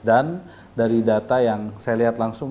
dan dari data yang saya lihat langsung